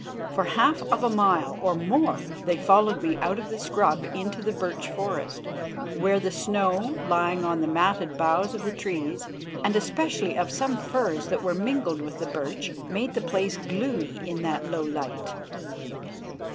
For the half of a mile or more they followed me out of the scrub into the birch forest, where the snow, lying on the matted boughs of the trees and especially of some firs that were mingled with the birch, made the place gloomy in that low light.